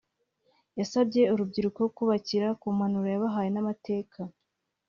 yasabye urubyiko kubakira ku mpanuro yabahaye n’amateka